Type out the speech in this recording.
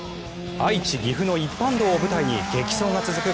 愛知、岐阜の一般道を舞台に激走が続く